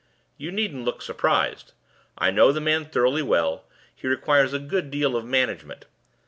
You needn't look surprised. I know the man thoroughly well; he requires a good deal of management.